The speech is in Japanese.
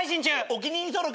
お気に入り登録。